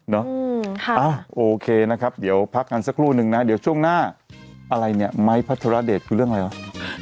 เนาะโอเคนะครับเดี๋ยวพักกันสักครู่นึงนะเดี๋ยวช่วงหน้าอะไรเนี่ยไม้พัทรเดชคือเรื่องอะไรวะ